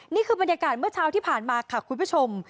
นี่คือบรรยากาศเมื่อเช้าที่ผ่านมาค่ะคุณผู้ชม